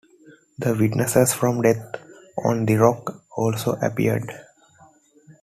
The witnesses from "Death on the Rock" also appeared.